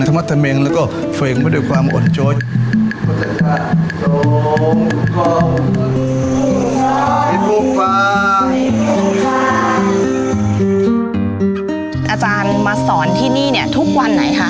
อาจารย์มาสอนที่นี่เนี่ยทุกวันไหนคะ